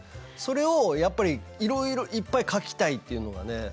それをやっぱりいろいろいっぱい描きたいっていうのがね。